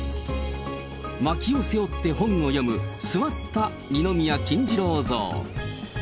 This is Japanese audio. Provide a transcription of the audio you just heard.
まきを背負って本を読む、座った二宮金次郎像。